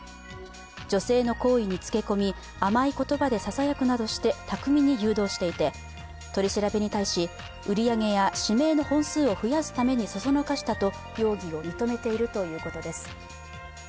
女性の好意につけ込み甘い言葉でささやくなどして巧みに誘導していて、取り調べに対し売り上げや指名の本数を増やすために、そそのかしたと容疑を認めているということです。